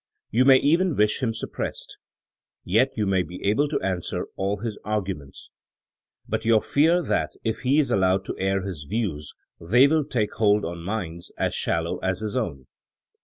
You may even wish him suppressed. Yet you may be able to answer all his arguments. But you fear that if he is allowed to air his views they will take hold on minds as shallow as his own.